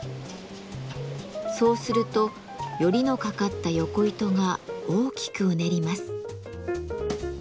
そうするとヨリのかかったヨコ糸が大きくうねります。